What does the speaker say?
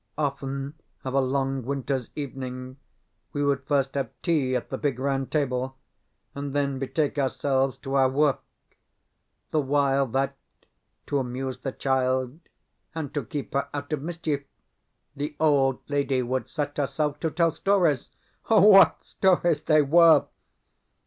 Often of a long winter's evening we would first have tea at the big round table, and then betake ourselves to our work; the while that, to amuse the child and to keep her out of mischief, the old lady would set herself to tell stories. What stories they were!